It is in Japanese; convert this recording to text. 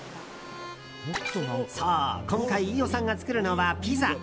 そう、今回飯尾さんが作るのはピザ。